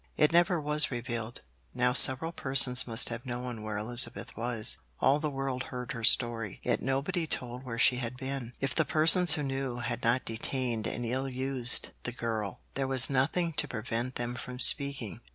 It never was revealed. Now several persons must have known where Elizabeth was; all the world heard her story, yet nobody told where she had been. If the persons who knew had not detained and ill used the girl, there was nothing to prevent them from speaking.